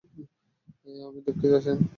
আমি দুঃখিত, থেনা।